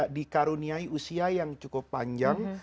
dikaruniai usia yang cukup panjang